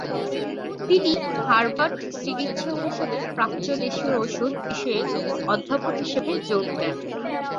তিনি হার্ভার্ড চিকিৎসা অনুষদে প্রাচ্য দেশিয় ঔষধ বিষয়ের অধ্যাপক হিসেবে যোগ দেন।